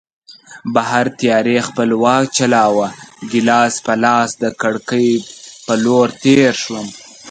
بهر تیارې خپل واک چلاوه، ګیلاس په لاس د کړکۍ په لور تېر شوم.